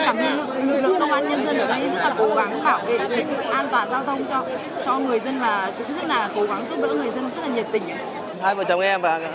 cảm ơn công an nhân dân ở đây rất là cố gắng bảo vệ trật tự an toàn giao thông cho người dân và cũng rất là cố gắng giúp đỡ người dân rất là nhiệt tình